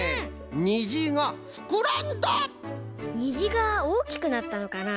虹がおおきくなったのかな？